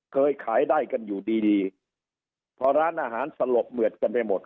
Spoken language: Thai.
เคยขายได้กันอยู่ดีดีพอร้านอาหารสลบเหมือดกันไปหมด